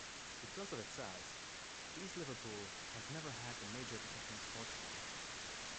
Because of its size, East Liverpool has never had a major professional sports team.